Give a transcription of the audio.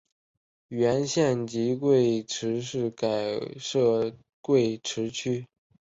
原县级贵池市改设贵池区。